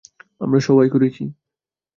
আমরা সবাই করেছি।